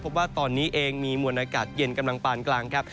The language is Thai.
ว่าตอนนี้เองมีมวลอากาศเย็นกำลังปานกลางครับ